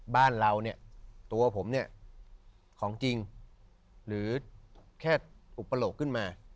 บ้านเราเนี่ยตัวผมเนี่ยของจริงหรือแค่อุปโลกขึ้นมา